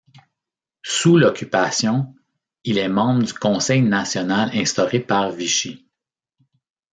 Sous l’Occupation, il est membre du Conseil national instauré par Vichy.